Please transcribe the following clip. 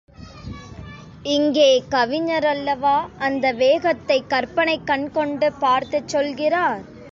இங்கே கவிஞர் அல்லவா அந்த வேகத்தைக் கற்பனைக் கண்கொண்டு பார்த்துச்சொல்கிறார்?